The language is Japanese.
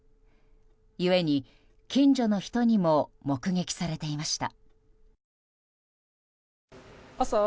ゆえに、近所の人にも目撃されていました。